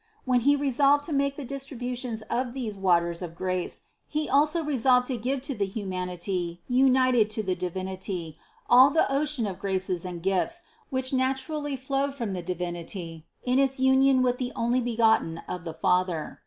When He resolved to make the distributions of these waters of grace, He also resolved to give to the humanity united to the Divinity all the ocean of graces and gifts, which naturally flowed from the Divinity in its union with the Onlybegotten of the Father.